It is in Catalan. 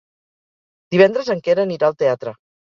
Divendres en Quer anirà al teatre.